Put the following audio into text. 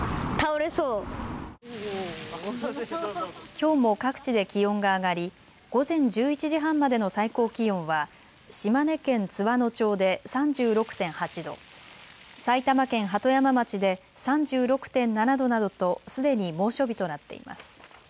きょうも各地で気温が上がり午前１１時半までの最高気温は島根県津和野町で３６．８度、埼玉県鳩山町で３６．７度などとすでに猛暑日となっています。